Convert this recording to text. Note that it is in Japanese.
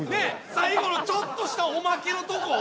最後のちょっとしたおまけのとこ？